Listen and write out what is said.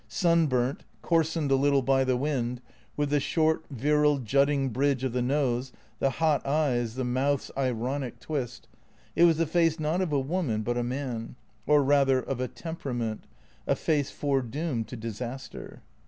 Sun burnt, coarsened a little by the wind, with the short, virile, jutting bridge of the nose, the hot eyes, the mouth's ironic twist, it was the face not of a woman but a man, or rather of a tem perament, a face foredoomed to disaster.